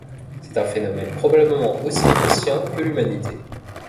C'est un phénomène probablement aussi ancien que l’humanité.